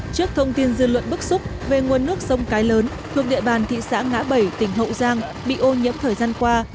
trước thông tin dư luận bức xúc về nguồn nước sông cái lớn thuộc địa bàn thị xã ngã bảy tỉnh hậu giang bị ô nhiễm thời gian qua